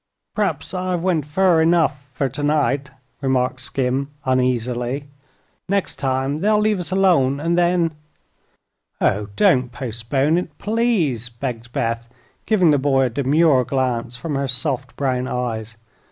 "P'raps I've went fur enough fer tonight," remarked Skim, uneasily. "Next time they'll leave us alone, an' then " "Oh, don't postpone it, please!" begged Beth, giving the boy a demure glance from her soft brown eyes.